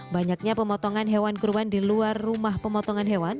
banyaknya pemotongan hewan kurban di luar rumah pemotongan hewan